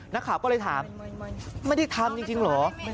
นักข่าวก็เลยถามไม่ได้ทำจริงเหรอ